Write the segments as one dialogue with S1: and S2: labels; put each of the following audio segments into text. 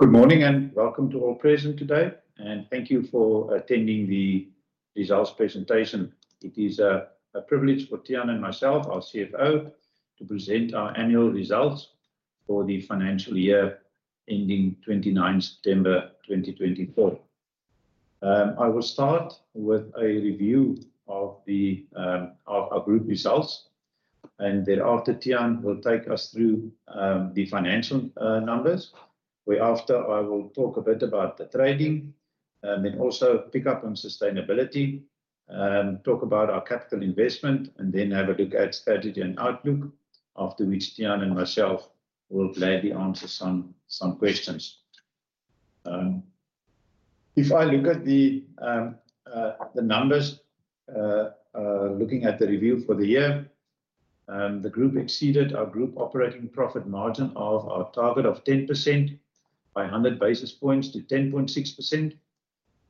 S1: Good morning and welcome to all present today, and thank you for attending the results presentation. It is a privilege for Tiaan and myself, our CFO, to present our annual results for the financial year ending 29 September 2024. I will start with a review of our group results, and thereafter, Tiaan will take us through the financial numbers. After that, I will talk a bit about the trading, then also pick up on sustainability, talk about our capital investment, and then have a look at strategy and outlook, after which Tiaan and myself will play the answers on some questions. If I look at the numbers, looking at the review for the year, the group exceeded our group operating profit margin of our target of 10% by 100 basis points to 10.6%.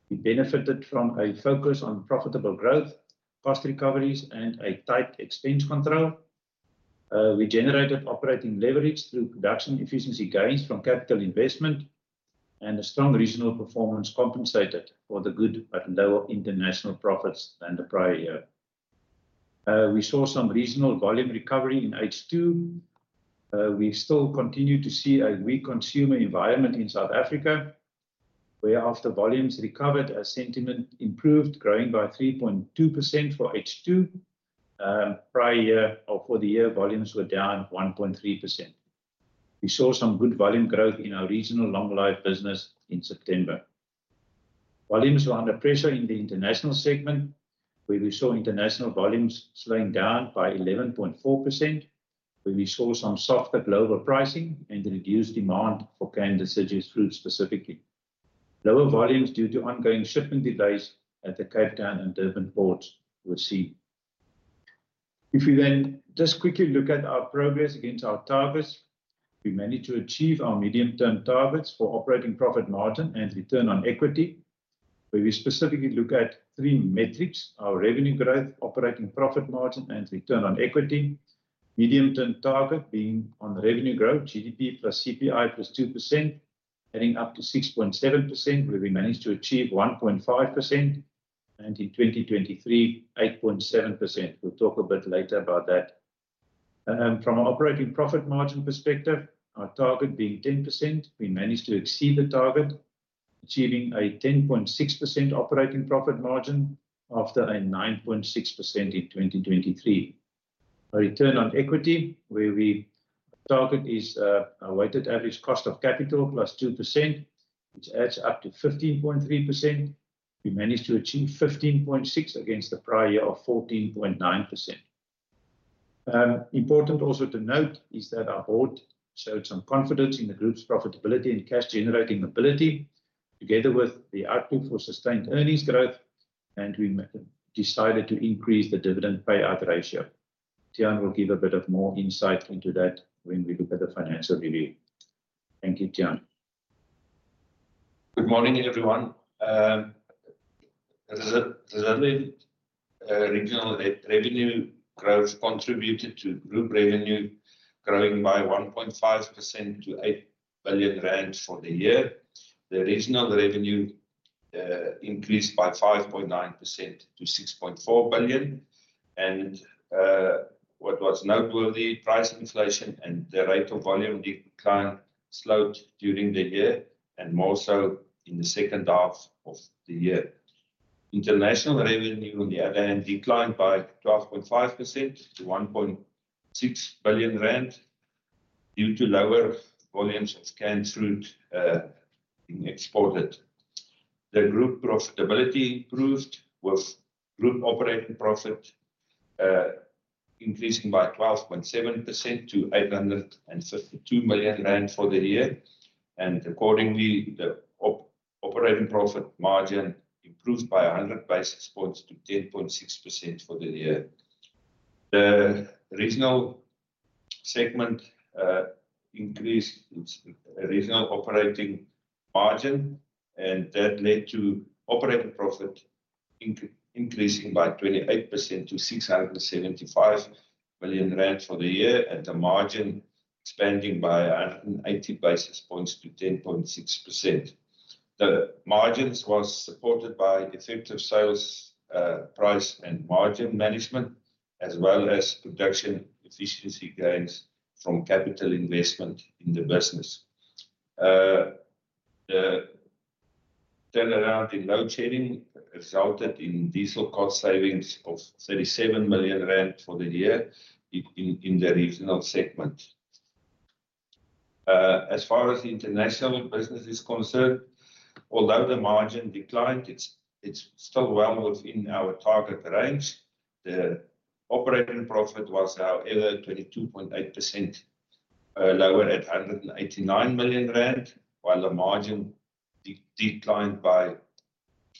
S1: We benefited from a focus on profitable growth, cost recoveries, and a tight expense control. We generated operating leverage through production efficiency gains from capital investment, and a strong regional performance compensated for the good and lower international profits than the prior year. We saw some regional volume recovery in H2. We still continue to see a weak consumer environment in South Africa, where after volumes recovered, our sentiment improved, growing by 3.2% for H2. Prior year or for the year, volumes were down 1.3%. We saw some good volume growth in our regional long life business in September. Volumes were under pressure in the international segment, where we saw international volumes slowing down by 11.4%, where we saw some softer global pricing and reduced demand for canned and deciduous fruit specifically. Lower volumes due to ongoing shipping delays at the Cape Town and Durban ports were seen. If we then just quickly look at our progress against our targets, we managed to achieve our medium-term targets for operating profit margin and return on equity, where we specifically look at three metrics: our revenue growth, operating profit margin, and return on equity. Medium-term target being on revenue growth, GDP plus CPI plus 2%, heading up to 6.7%, where we managed to achieve 1.5%, and in 2023, 8.7%. We'll talk a bit later about that. From an operating profit margin perspective, our target being 10%, we managed to exceed the target, achieving a 10.6% operating profit margin after a 9.6% in 2023. Our return on equity, where we target, is a weighted average cost of capital plus 2%, which adds up to 15.3%. We managed to achieve 15.6% against the prior year of 14.9%. Important also to note is that our board showed some confidence in the group's profitability and cash-generating ability, together with the outlook for sustained earnings growth, and we decided to increase the dividend payout ratio. Tiaan will give a bit of more insight into that when we look at the financial review. Thank you, Tiaan.
S2: Good morning, everyone. The revenue growth contributed to group revenue growing by 1.5% to 8 billion rand for the year. The regional revenue increased by 5.9% to 6.4 billion, and what was noteworthy, price inflation and the rate of volume decline slowed during the year, and more so in the second half of the year. International revenue, on the other hand, declined by 12.5% to 1.6 billion rand due to lower volumes of canned fruit being exported. The group profitability improved, with group operating profit increasing by 12.7% to 852 million rand for the year, and accordingly, the operating profit margin improved by 100 basis points to 10.6% for the year. The regional segment increased its regional operating margin, and that led to operating profit increasing by 28% to 675 million rand for the year, and the margin expanding by 180 basis points to 10.6%. The margins were supported by effective sales price and margin management, as well as production efficiency gains from capital investment in the business. The turnaround in load shedding resulted in diesel cost savings of 37 million rand for the year in the regional segment. As far as the international business is concerned, although the margin declined, it's still well within our target range. The operating profit was, however, 22.8% lower at 189 million rand, while the margin declined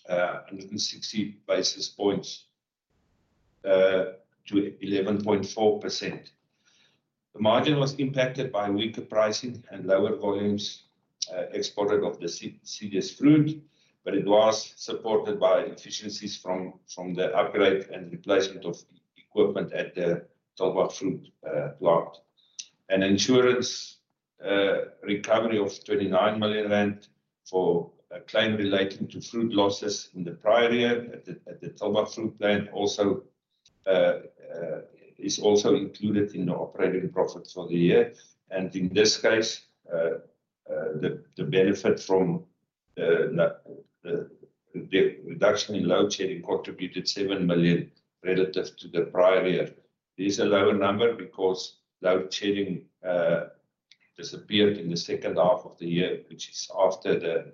S2: by 160 basis points to 11.4%. The margin was impacted by weaker pricing and lower volumes exported of the deciduous fruit, but it was supported by efficiencies from the upgrade and replacement of equipment at the Tulbagh fruit plant. An insurance recovery of 29 million rand for claims relating to fruit losses in the prior year at the Tulbagh fruit plant is also included in the operating profit for the year. In this case, the benefit from the reduction in load shedding contributed 7 million relative to the prior year. This is a lower number because load shedding disappeared in the second half of the year, which is after the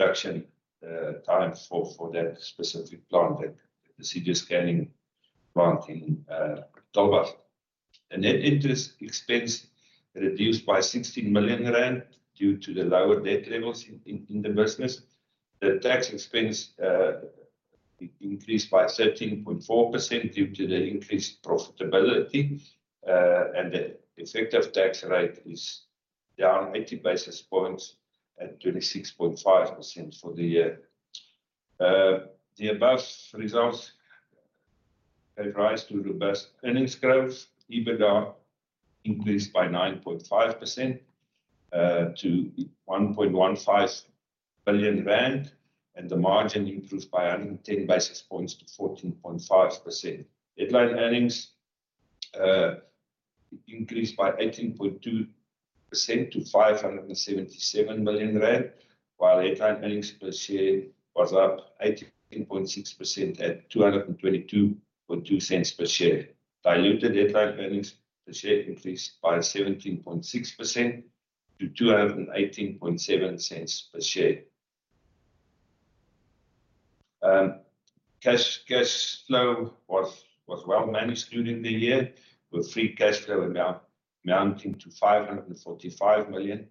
S2: production time for that specific plant, the deciduous canning plant in Tulbagh. Net interest expense reduced by 16 million rand due to the lower debt levels in the business. The tax expense increased by 13.4% due to the increased profitability, and the effective tax rate is down 80 basis points at 26.5% for the year. The above results gave rise to robust earnings growth. EBITDA increased by 9.5% to 1.15 billion rand, and the margin improved by 110 basis points to 14.5%. Headline earnings increased by 18.2% to 577 million rand, while headline earnings per share was up 18.6% at 2.222 per share. Diluted headline earnings per share increased by 17.6% to 218.7 cents per share. Cash flow was well managed during the year, with free cash flow amounting to 545 million,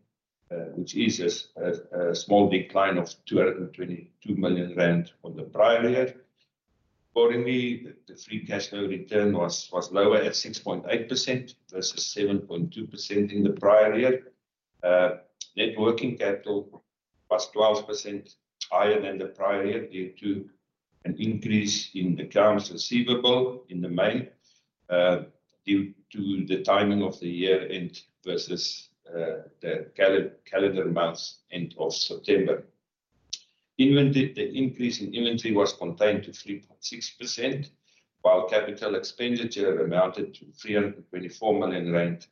S2: which is a small decline of 222 million rand from the prior year. Accordingly, the free cash flow return was lower at 6.8% versus 7.2% in the prior year. Net working capital was 12% higher than the prior year due to an increase in the accounts receivable in May due to the timing of the year end versus the calendar month end of September. The increase in inventory was contained to 3.6%, while capital expenditure amounted to 324 million rand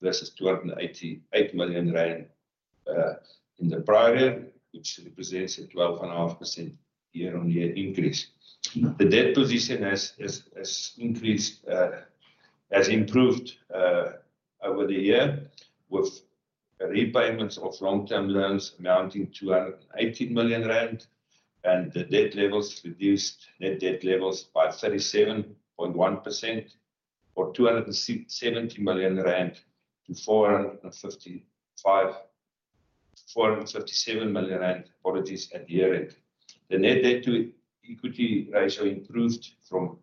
S2: versus 288 million rand in the prior year, which represents a 12.5% year-on-year increase. The debt position has improved over the year, with repayments of long-term loans amounting to 218 million rand, and the net debt levels by 37.1%, or 270 million rand to 457 million rand apologies at year-end. The net debt to equity ratio improved from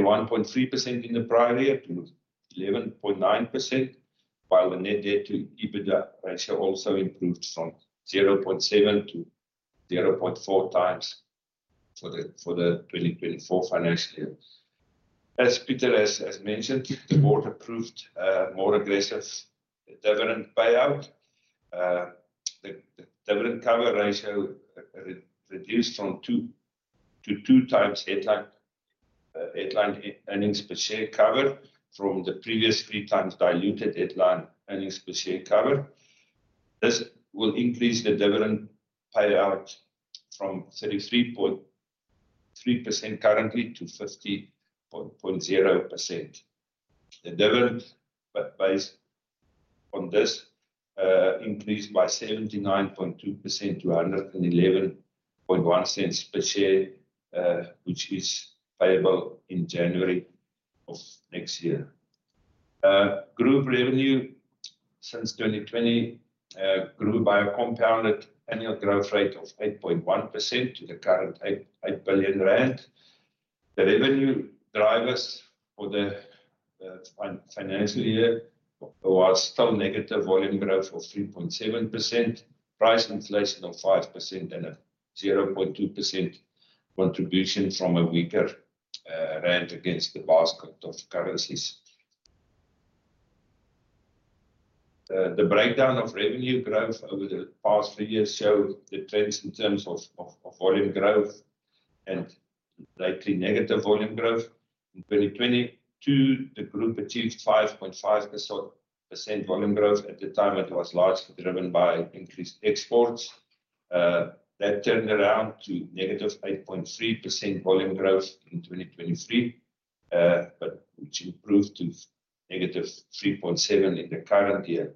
S2: 21.3% in the prior year to 11.9%, while the net debt to EBITDA ratio also improved from 0.7 to 0.4 times for the 2024 financial year. As Pieter has mentioned, the board approved a more aggressive dividend payout. The dividend cover ratio reduced from 2 to 2 times headline earnings per share cover from the previous 3 times diluted headline earnings per share cover. This will increase the dividend payout from 33.3% currently to 50.0%. The dividend based on this increased by 79.2% to 1.111 per share, which is payable in January of next year. Group revenue since 2020 grew by a compounded annual growth rate of 8.1% to the current 8 billion rand. The revenue drivers for the financial year were still negative volume growth of 3.7%, price inflation of 5%, and a 0.2% contribution from a weaker rand against the basket of currencies. The breakdown of revenue growth over the past three years showed the trends in terms of volume growth and likely negative volume growth. In 2022, the group achieved 5.5% volume growth. At the time, it was largely driven by increased exports. That turned around to negative 8.3% volume growth in 2023, which improved to negative 3.7% in the current year.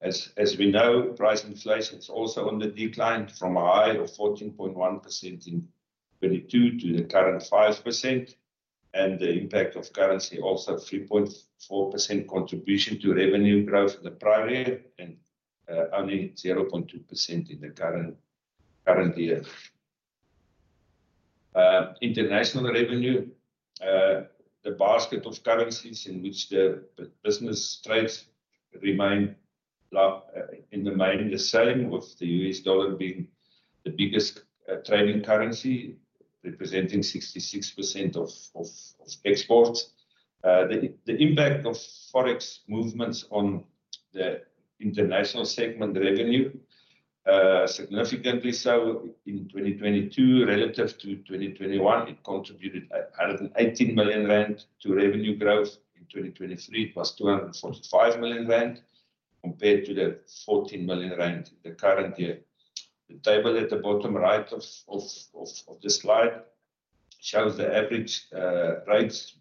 S2: As we know, price inflation is also on the decline from a high of 14.1% in 2022 to the current 5%, and the impact of currency also 3.4% contribution to revenue growth in the prior year and only 0.2% in the current year. International revenue, the basket of currencies in which the business trades remained in the main the same, with the US dollar being the biggest trading currency representing 66% of exports. The impact of forex movements on the international segment revenue, significantly so in 2022 relative to 2021, it contributed 118 million rand to revenue growth. In 2023, it was 245 million rand compared to the 14 million rand in the current year. The table at the bottom right of the slide shows the average rate,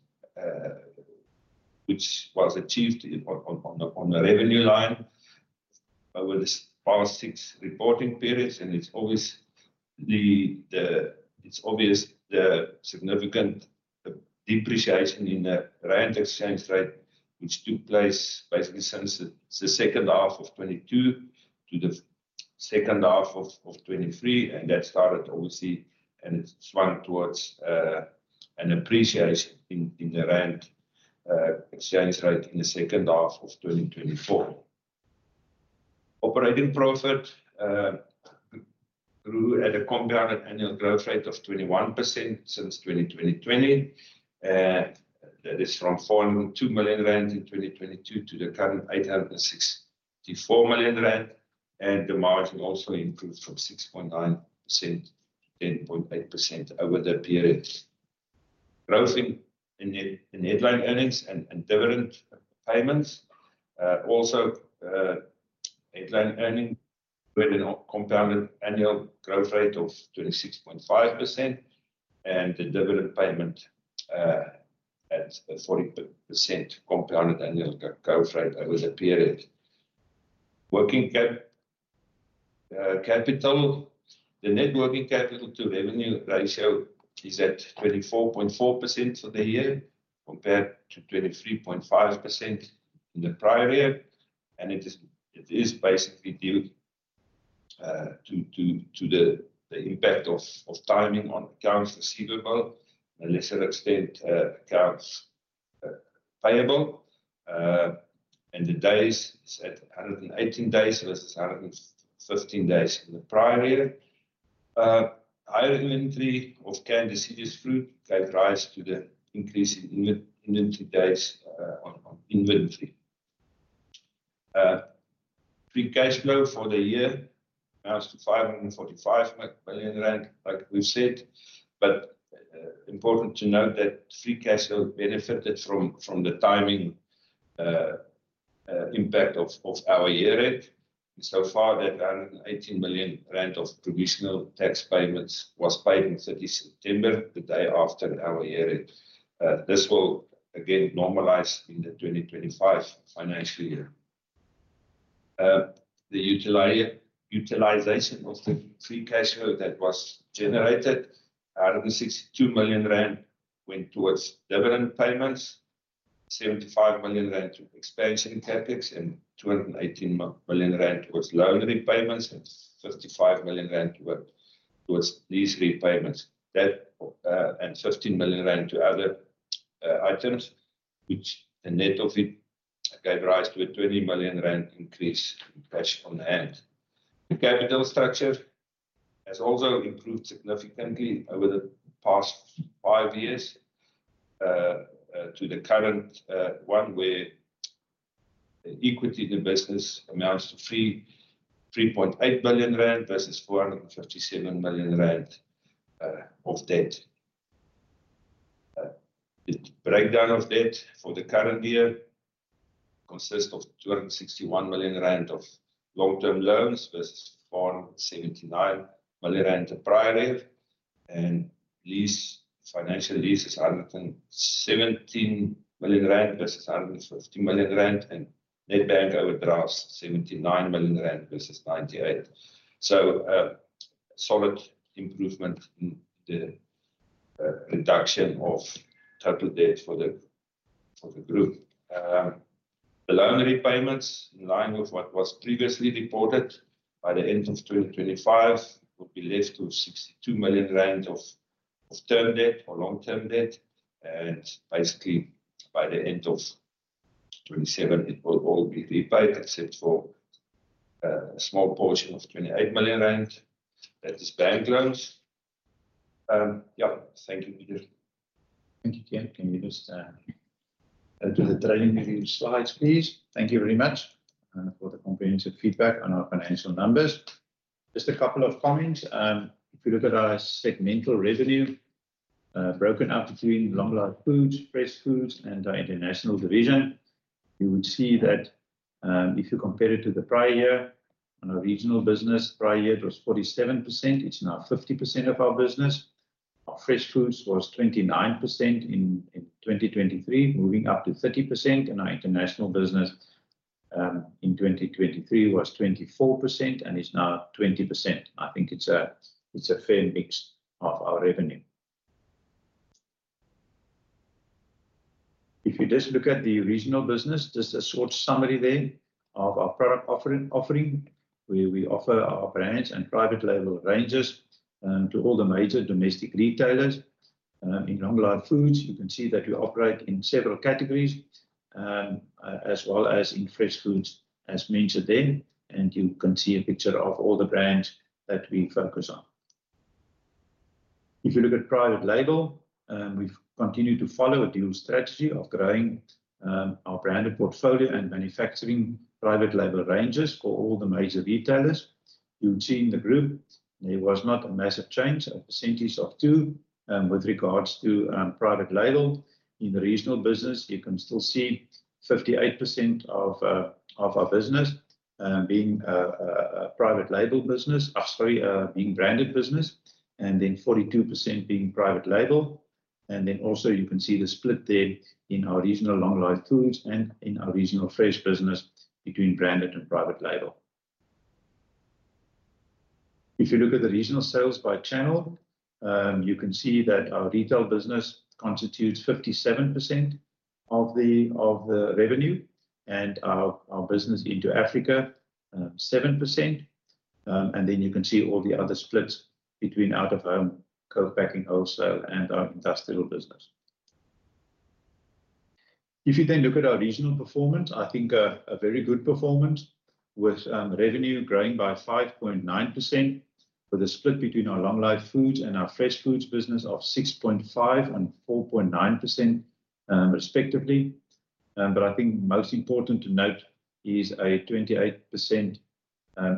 S2: which was achieved on the revenue line over the past six reporting periods. It's obvious the significant depreciation in the rand exchange rate, which took place basically since the second half of 2022 to the second half of 2023. That started obviously, and it swung towards an appreciation in the rand exchange rate in the second half of 2024. Operating profit grew at a compounded annual growth rate of 21% since 2020. That is from 402 million rand in 2022 to the current 864 million rand. The margin also improved from 6.9% to 10.8% over the period. Growth in headline earnings and dividend payments. Also, headline earnings with a compounded annual growth rate of 26.5% and the dividend payment at 40% compounded annual growth rate over the period. Working capital, the net working capital to revenue ratio is at 24.4% for the year compared to 23.5% in the prior year. It is basically due to the impact of timing on accounts receivable, to a lesser extent accounts payable. The days is at 118 days versus 115 days in the prior year. Higher inventory of canned and deciduous fruit gave rise to the increase in inventory days on inventory. Free cash flow for the year amounts to 545 million rand, like we've said. Important to note that free cash flow benefited from the timing impact of our year-end. So, that 118 million rand of provisional tax payments was paid on 30 September, the day after our year-end. This will, again, normalize in the 2025 financial year. The utilization of the free cash flow that was generated, 162 million rand went towards dividend payments, 75 million rand to expansion CapEx, and 218 million rand towards loan repayments, and 55 million rand towards these repayments. That and 15 million rand to other items, which the net of it gave rise to a 20 million rand increase in cash on hand. The capital structure has also improved significantly over the past five years to the current one where equity in the business amounts to 3.8 billion rand versus 457 million rand of debt. The breakdown of debt for the current year consists of 261 million rand of long-term loans versus 479 million rand the prior year, and financial lease is 117 million rand versus 150 million rand, and net bank overdrafts 79 million rand versus 98 million. So solid improvement in the reduction of total debt for the group, so the loan repayments, in line with what was previously reported by the end of 2025, will be left to 62 million rand of term debt or long-term debt. And basically, by the end of 2027, it will all be repaid except for a small portion of 28 million rand. That is bank loans.
S1: Yeah.
S2: Thank you, Pieter.
S1: Thank you, Tiaan. Can you just go to the trading review slides, please? Thank you very much for the comprehensive feedback on our financial numbers. Just a couple of comments. If you look at our segmental revenue broken up between long-life foods, fresh foods, and our international division, you would see that if you compare it to the prior year, on our regional business, prior year it was 47%. It's now 50% of our business. Our fresh foods was 29% in 2023, moving up to 30%. And our international business in 2023 was 24% and is now 20%. I think it's a fair mix of our revenue. If you just look at the regional business, just a short summary there of our product offering, where we offer our branded and private label ranges to all the major domestic retailers. In long-life foods, you can see that we operate in several categories as well as in fresh foods, as mentioned there. And you can see a picture of all the brands that we focus on. If you look at private label, we've continued to follow a dual strategy of growing our branded portfolio and manufacturing private label ranges for all the major retailers. You'll see in the group, there was not a massive change, 2%, with regards to private label. In the regional business, you can still see 58% of our business being a private label business, sorry, being branded business, and then 42% being private label. And then also you can see the split there in our regional long-life foods and in our regional fresh business between branded and private label. If you look at the regional sales by channel, you can see that our retail business constitutes 57% of the revenue and our business into Africa, 7%. And then you can see all the other splits between out-of-home, co-packing, wholesale, and our industrial business. If you then look at our regional performance, I think a very good performance with revenue growing by 5.9% for the split between our long-life foods and our fresh foods business of 6.5% and 4.9% respectively. But I think most important to note is a 28%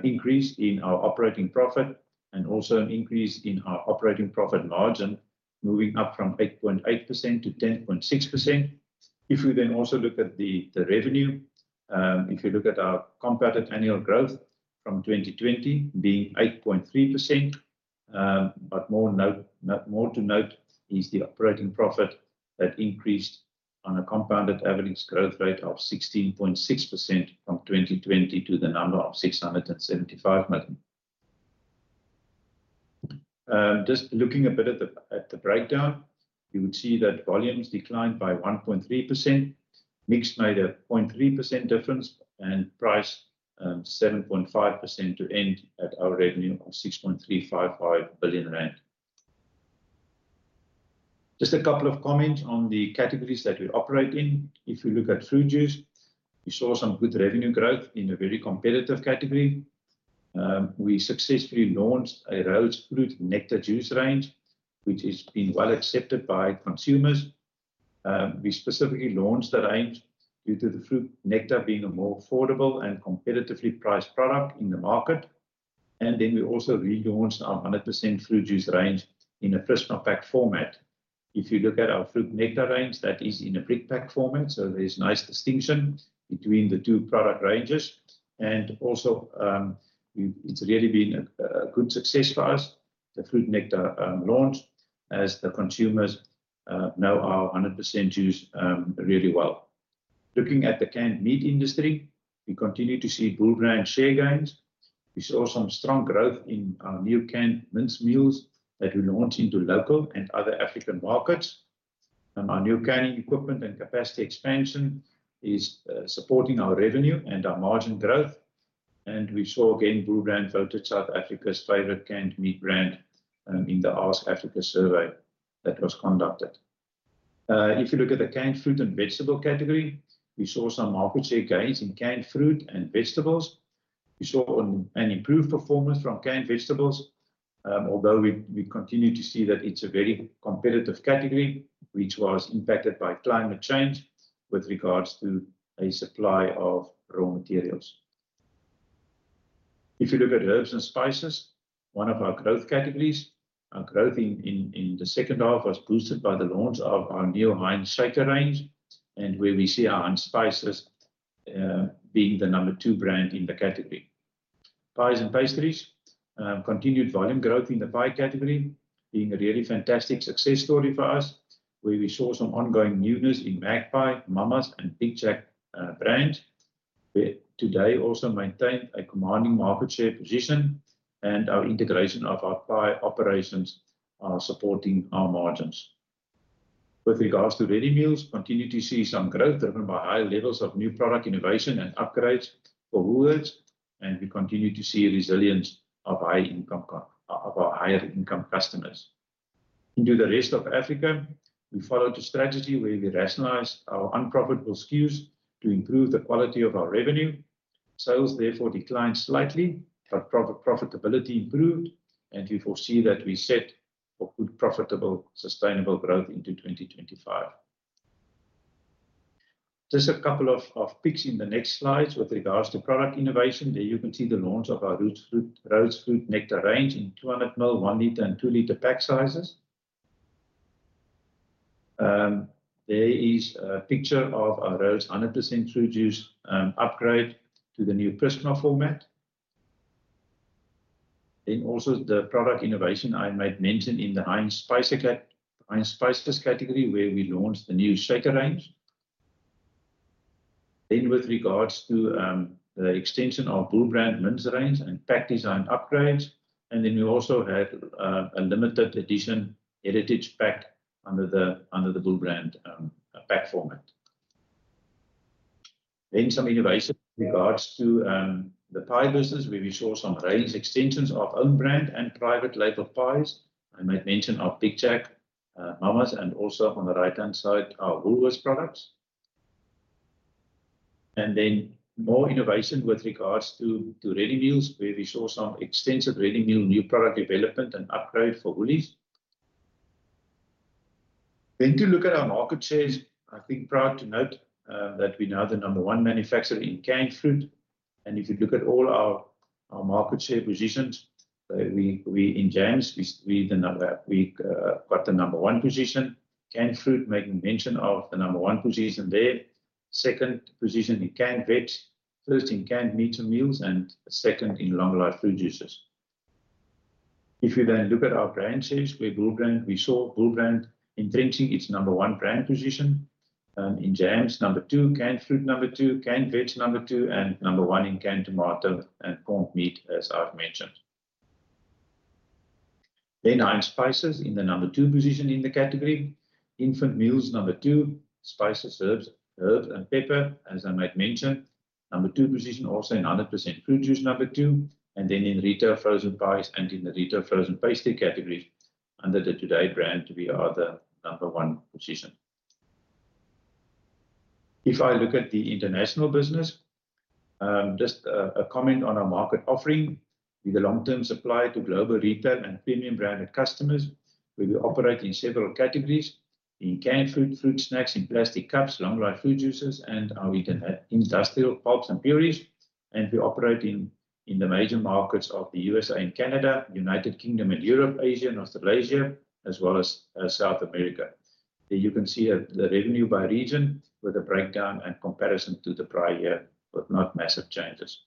S1: increase in our operating profit and also an increase in our operating profit margin, moving up from 8.8% to 10.6%. If we then also look at the revenue, if you look at our compounded annual growth from 2020 being 8.3%, but more to note is the operating profit that increased on a compounded average growth rate of 16.6% from 2020 to the number of 675 million. Just looking a bit at the breakdown, you would see that volumes declined by 1.3%, mix made a 0.3% difference, and price 7.5% to end at our revenue of 6.355 billion rand. Just a couple of comments on the categories that we operate in. If you look at fruit juice, we saw some good revenue growth in a very competitive category. We successfully launched a Rhodes fruit nectar juice range, which has been well accepted by consumers. We specifically launched the range due to the fruit nectar being a more affordable and competitively priced product in the market. And then we also relaunched our 100% fruit juice range in a fresh pack format. If you look at our fruit nectar range, that is in a brick pack format. So there's nice distinction between the two product ranges. And also, it's really been a good success for us, the fruit nectar launch, as the consumers know our 100% juice really well. Looking at the canned meat industry, we continue to see Bull Brand share gains. We saw some strong growth in our new canned mince meals that we launched into local and other African markets. Our new canning equipment and capacity expansion is supporting our revenue and our margin growth. And we saw, again, Bull Brand voted South Africa's favorite canned meat brand in the Ask Afrika survey that was conducted. If you look at the canned fruit and vegetable category, we saw some market share gains in canned fruit and vegetables. We saw an improved performance from canned vegetables, although we continue to see that it's a very competitive category, which was impacted by climate change with regards to a supply of raw materials. If you look at herbs and spices, one of our growth categories, our growth in the second half was boosted by the launch of our new Hinds shaker range, and where we see our Hinds spices being the number two brand in the category. Pies and pastries, continued volume growth in the pie category being a really fantastic success story for us, where we saw some ongoing newness in Magpie, Mama's, and Big Jack brands, which Today also maintained a commanding market share position, and our integration of our pie operations are supporting our margins. With regards to ready meals, we continue to see some growth driven by high levels of new product innovation and upgrades for Woolworths. We continue to see a resilience of our higher income customers. Into the rest of Africa, we followed a strategy where we rationalized our unprofitable SKUs to improve the quality of our revenue. Sales therefore declined slightly, but profitability improved. We foresee that we're set for good profitable, sustainable growth into 2025. Just a couple of pics in the next slides with regards to product innovation. There you can see the launch of our Rhodes fruit nectar range in 200 ml, 1 liter, and 2 liter pack sizes. There is a picture of our Rhodes 100% fruit juice upgrade to the new Prisma format. Then also the product innovation I might mention in the Hinds spices category, where we launched the new Shaker range. Then with regards to the extension of Bull Brand mince range and pack design upgrades. And then we also had a limited edition heritage pack under the Bull Brand pack format. Then some innovation with regards to the pie business, where we saw some range extensions of own brand and private label pies. I might mention our Big Jack, Mama's, and also on the right-hand side, our Woolworths products. And then more innovation with regards to ready meals, where we saw some extensive ready meal new product development and upgrade for Woolies. Then to look at our market shares, I think it's worth noting that we are now the number one manufacturer in canned fruit. And if you look at all our market share positions, we're in jams, we got the number one position. In canned fruit, making mention of the number one position there. Second position in canned veg, first in canned meat and meals, and second in long-life fruit juices. If you then look at our brands, we saw Bull Brand entrenching its number one brand position in jams number two, canned fruit number two, canned veg number two, and number one in canned tomato and corned meat, as I've mentioned. Then Hinds spices in the number two position in the category. Infant meals number two, spices, herbs, and pepper, as I might mention. Number two position also in 100% fruit juice number two. In retail frozen pies and in the retail frozen pastry category, under the Today brand, we are the number one position. If I look at the international business, just a comment on our market offering with a long-term supply to global retail and premium branded customers, where we operate in several categories in canned fruit, fruit snacks in plastic cups, long-life fruit juices, and our industrial pulps and purées, and we operate in the major markets of the USA and Canada, United Kingdom and Europe, Asia and Australasia, as well as South America. There you can see the revenue by region with a breakdown and comparison to the prior year with not massive changes.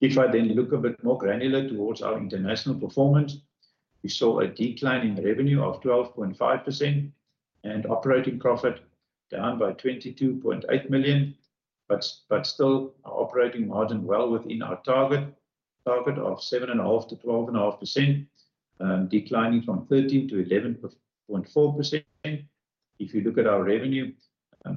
S1: If I then look a bit more granular towards our international performance, we saw a decline in revenue of 12.5% and operating profit down by 22.8 million, but still operating margin well within our target of 7.5%-12.5%, declining from 13% to 11.4%. If you look at our revenue,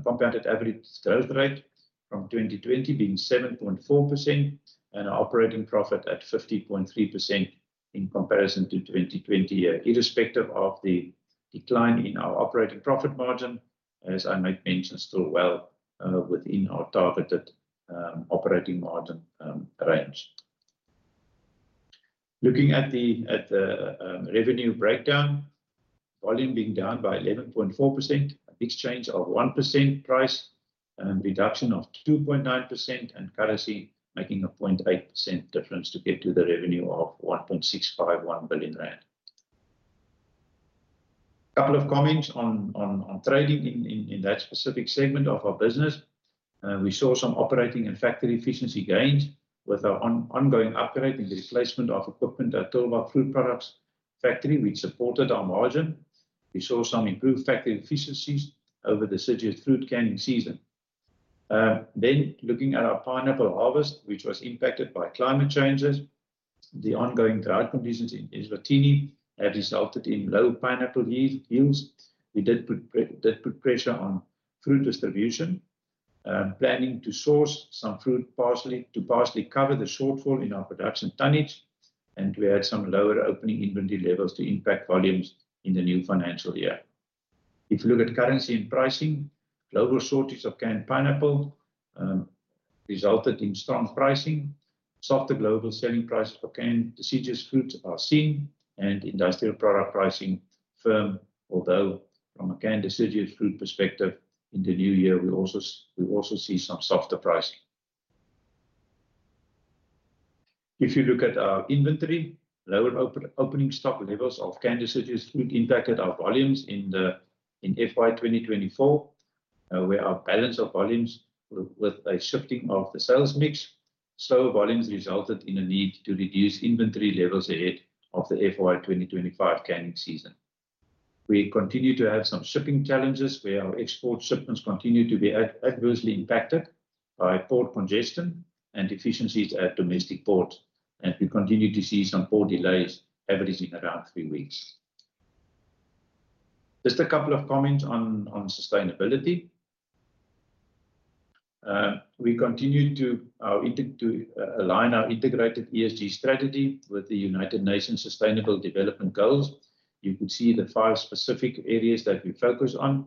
S1: compounded average growth rate from 2020 being 7.4% and our operating profit at 50.3% in comparison to 2020, irrespective of the decline in our operating profit margin, as I might mention, still well within our targeted operating margin range. Looking at the revenue breakdown, volume being down by 11.4%, an increase of 1% price, and reduction of 2.9%, and currency making a 0.8% difference to get to the revenue of 1.651 billion rand. A couple of comments on trading in that specific segment of our business. We saw some operating and factory efficiency gains with our ongoing upgrade and replacement of equipment at Tulbagh Fruit Products factory, which supported our margin. We saw some improved factory efficiencies over the deciduous fruit canning season. Then looking at our pineapple harvest, which was impacted by climate changes, the ongoing drought conditions in Eswatini have resulted in low pineapple yields. We did put pressure on fruit distribution, planning to source some fruit partially to cover the shortfall in our production tonnage. And we had some lower opening inventory levels to impact volumes in the new financial year. If you look at currency and pricing, global shortage of canned pineapple resulted in strong pricing. Softer global selling prices for canned citrus fruits are seen, and industrial product pricing firm, although from a canned citrus fruit perspective in the new year, we also see some softer pricing. If you look at our inventory, lower opening stock levels of canned citrus fruit impacted our volumes in FY 2024, where our balance of volumes with a shifting of the sales mix, slower volumes resulted in a need to reduce inventory levels ahead of the FY 2025 canning season. We continue to have some shipping challenges, where our export shipments continue to be adversely impacted by port congestion and deficiencies at domestic ports and we continue to see some port delays, averaging around three weeks. Just a couple of comments on sustainability. We continue to align our integrated ESG strategy with the United Nations Sustainable Development Goals. You could see the five specific areas that we focus on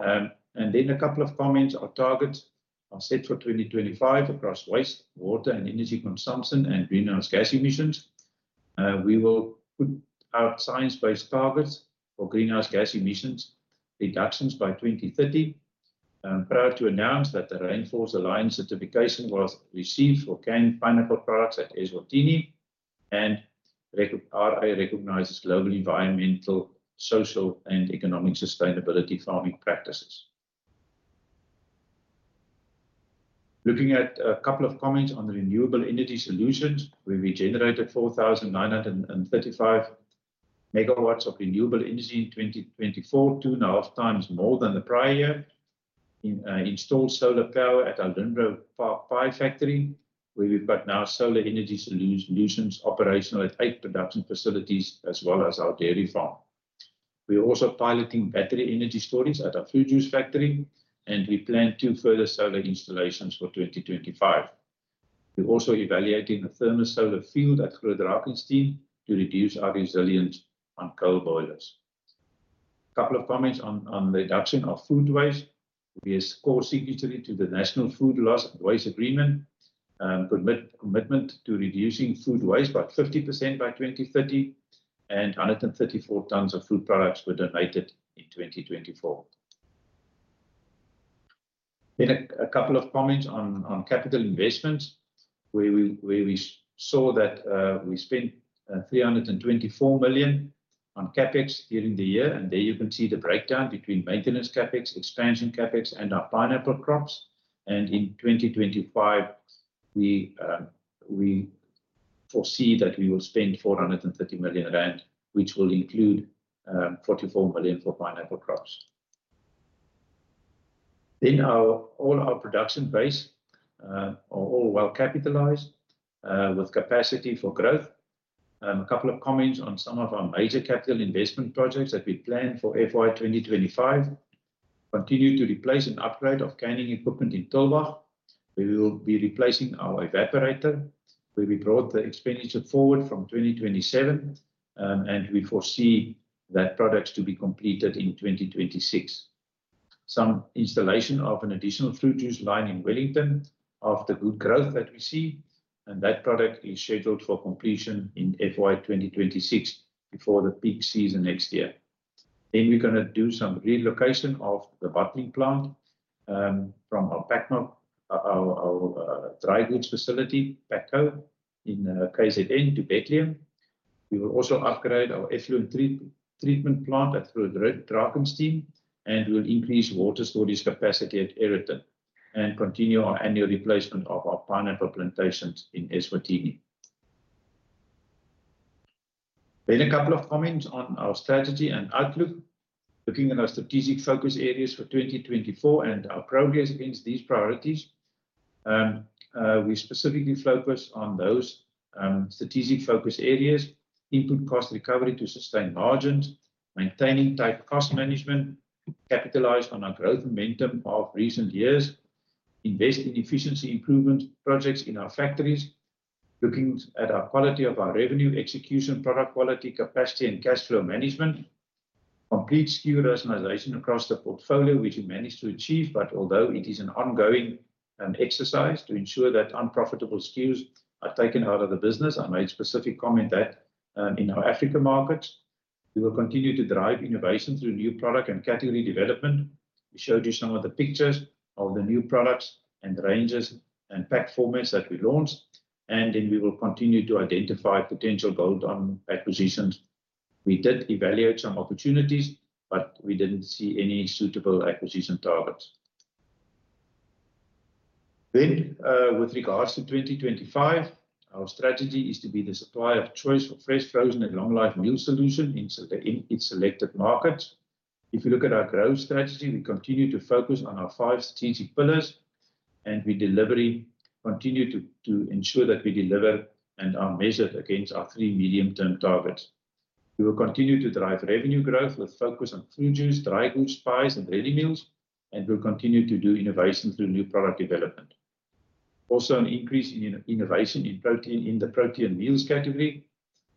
S1: and then a couple of comments. Our targets are set for 2025 across waste, water, and energy consumption and greenhouse gas emissions. We will put out science-based targets for greenhouse gas emissions reductions by 2030. Prior to announcement that the Rainforest Alliance certification was received for canned pineapple products at Eswatini, and RFG Holdings recognizes global environmental, social, and economic sustainability farming practices. Looking at a couple of comments on the renewable energy solutions, where we generated 4,935 megawatts of renewable energy in 2024, two and a half times more than the prior year. Installed solar power at our Linbro Park pie factory, where we've got now solar energy solutions operational at eight production facilities, as well as our dairy farm. We're also piloting battery energy storage at our fruit juice factory, and we plan to further solar installations for 2025. We're also evaluating a thermal solar field at Groot Drakenstein to reduce our reliance on coal boilers. A couple of comments on the reduction of food waste. We are signatory to the National Food Loss and Waste Agreement, commitment to reducing food waste by 50% by 2030, and 134 tons of food products were donated in 2024. A couple of comments on capital investments, where we saw that we spent 324 million on CapEx during the year. And there you can see the breakdown between maintenance CapEx, expansion CapEx, and our pineapple crops. In 2025, we foresee that we will spend 430 million rand, which will include 44 million for pineapple crops. All our production base are all well capitalized with capacity for growth. A couple of comments on some of our major capital investment projects that we plan for FY 2025. Continue to replace and upgrade our canning equipment in Tulbagh. We will be replacing our evaporator, where we brought the expenditure forward from 2027, and we foresee that project to be completed in 2026. Some installation of an additional fruit juice line in Wellington after good growth that we see. That project is scheduled for completion in FY 2026 before the peak season next year. We're going to do some relocation of the bottling plant from our dry goods facility, Pakco, in KZN to Bethlehem. We will also upgrade our effluent treatment plant at Groot Drakenstein, and we'll increase water storage capacity at Aeroton and continue our annual replacement of our pineapple plantations in Eswatini. A couple of comments on our strategy and outlook. Looking at our strategic focus areas for 2024 and our progress against these priorities, we specifically focus on those strategic focus areas, input cost recovery to sustain margins, maintaining tight cost management, capitalize on our growth momentum of recent years, invest in efficiency improvement projects in our factories, looking at our quality of our revenue execution, product quality, capacity, and cash flow management, complete SKU rationalization across the portfolio, which we managed to achieve, but although it is an ongoing exercise to ensure that unprofitable SKUs are taken out of the business, I made specific comment that in our African markets, we will continue to drive innovation through new product and category development. We showed you some of the pictures of the new products and ranges and pack formats that we launched, and then we will continue to identify potential bolt-on acquisitions. We did evaluate some opportunities, but we didn't see any suitable acquisition targets. Then with regards to 2025, our strategy is to be the supplier of choice for fresh, frozen, and long-life meal solutions in its selected markets. If you look at our growth strategy, we continue to focus on our five strategic pillars, and we continue to ensure that we deliver and are measured against our three medium-term targets. We will continue to drive revenue growth with focus on fruit juice, dry goods, pies, and ready meals, and we'll continue to do innovation through new product development. Also an increase in innovation in the protein meals category,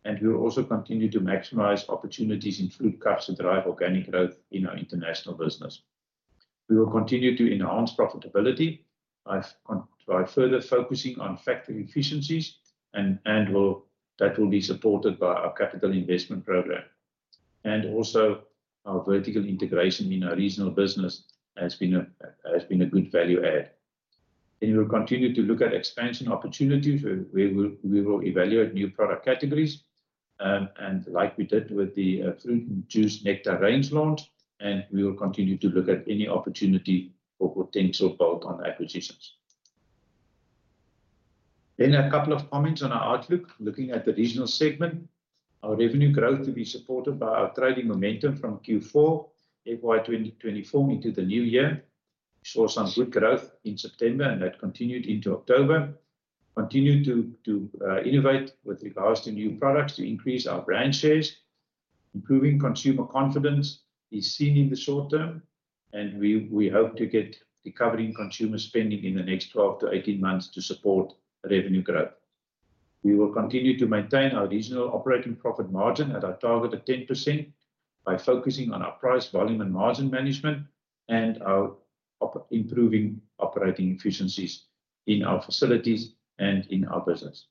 S1: and we'll also continue to maximize opportunities in fruit cuts to drive organic growth in our international business. We will continue to enhance profitability by further focusing on factory efficiencies, and that will be supported by our capital investment program. Also our vertical integration in our regional business has been a good value add. We'll continue to look at expansion opportunities, where we will evaluate new product categories, and like we did with the fruit and juice nectar range launch, and we will continue to look at any opportunity for potential bolt-on acquisitions. A couple of comments on our outlook. Looking at the regional segment, our revenue growth will be supported by our trading momentum from Q4, FY 2024, into the new year. We saw some good growth in September, and that continued into October. Continue to innovate with regards to new products to increase our brand shares. Improving consumer confidence is seen in the short term, and we hope to get recovering consumer spending in the next 12-18 months to support revenue growth. We will continue to maintain our regional operating profit margin at our target of 10% by focusing on our price, volume, and margin management, and our improving operating efficiencies in our facilities and in our business.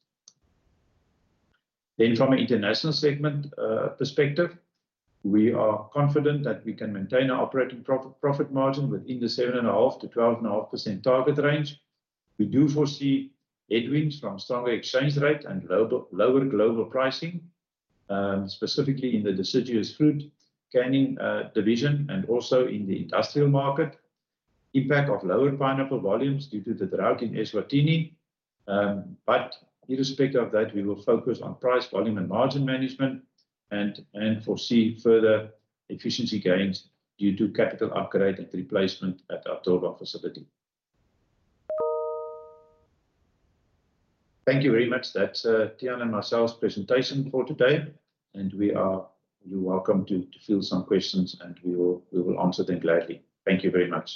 S1: Then from an international segment perspective, we are confident that we can maintain our operating profit margin within the 7.5%-12.5% target range. We do foresee headwinds from stronger exchange rate and lower global pricing, specifically in the deciduous fruit canning division and also in the industrial market. Impact of lower pineapple volumes due to the drought in Eswatini. But irrespective of that, we will focus on price, volume, and margin management and foresee further efficiency gains due to capital upgrade and replacement at our Tulbagh facility. Thank you very much. That's Tiaan and myself's presentation for today, and we are welcome to field some questions, and we will answer them gladly. Thank you very much.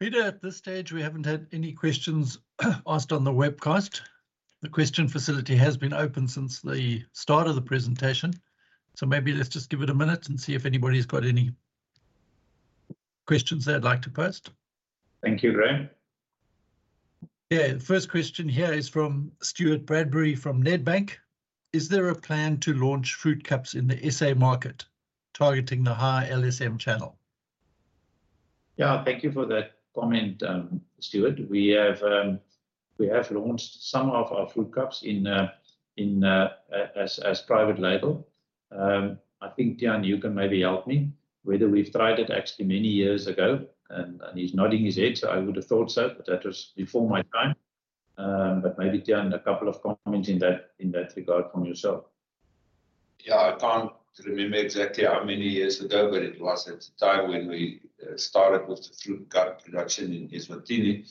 S3: Pieter, at this stage, we haven't had any questions asked on the webcast. The question facility has been open since the start of the presentation, so maybe let's just give it a minute and see if anybody's got any questions they'd like to post.
S1: Thank you, Graeme.
S3: Yeah, the first question here is from Stuart Bradbury from Nedbank. Is there a plan to launch fruit cups in the SA market targeting the high LSM channel?
S1: Yeah, thank you for that comment, Stuart. We have launched some of our fruit cups in as private label. I think, Tiaan, you can maybe help me. Whether we've tried it actually many years ago, and he's nodding his head, so I would have thought so, but that was before my time. But maybe, Tiaan, a couple of comments in that regard from yourself.
S2: Yeah, I can't remember exactly how many years ago, but it was at the time when we started with the fruit cup production in Eswatini.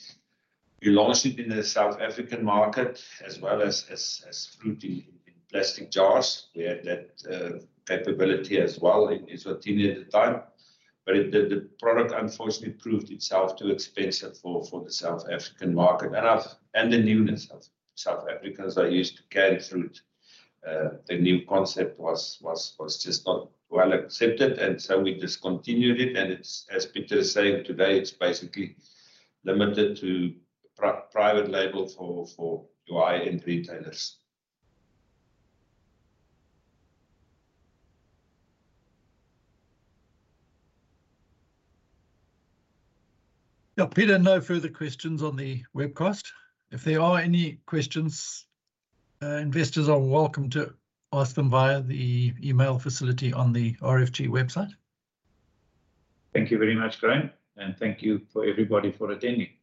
S2: We launched it in the South African market as well as fruit in plastic jars. We had that capability as well in Eswatini at the time. But the product, unfortunately, proved itself too expensive for the South African market. And the newness. South Africans are used to canned fruit. The new concept was just not well accepted, and so we discontinued it. And as Peter is saying today, it's basically limited to private label for Woolies and retailers.
S3: Now, Pieter, no further questions on the webcast. If there are any questions, investors are welcome to ask them via the email facility on the RFG website.
S1: Thank you very much, Graeme, and thank you for everybody for attending.